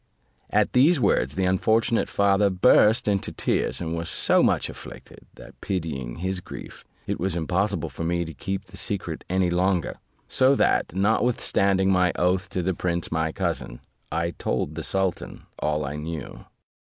At these words, the unfortunate father burst into tears, and was so much afflicted, that pitying his grief, it was impossible for me to keep the secret any longer; so that, notwithstanding my oath to the prince my cousin, I told the sultan all that I knew.